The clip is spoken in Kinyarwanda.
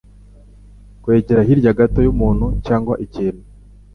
Kwigira hirya gato y'umuntu cyangwa ikintu.